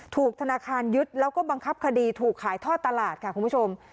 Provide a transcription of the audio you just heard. ถูกธนาคารยึดแล้วก็บังคับคดีถูกขายท่อตลาดค่ะคุณผู้ชม